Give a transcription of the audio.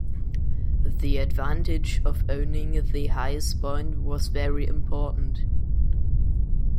The advantage of owning the highest point was very important.